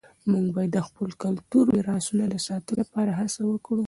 موږ باید د خپلو کلتوري میراثونو د ساتلو لپاره هڅه وکړو.